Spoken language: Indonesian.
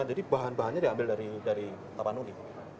jadi bahan bahannya diambil dari tapanudi